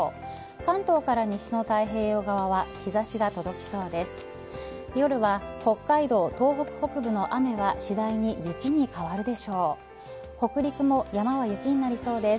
関東から西の太平洋側は日差しが届きそうです。